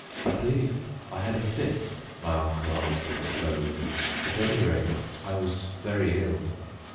"I believe I had a fit," my uncle answered slowly; "at any rate, I was very ill."